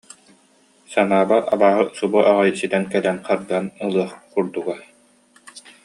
Санаабар, абааһы субу аҕай ситэн кэлэн харбаан ылыах курдуга»